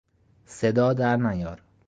صدا در نیار!